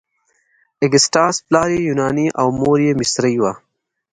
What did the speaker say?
اګسټاس پلار یې یوناني او مور یې مصري وه.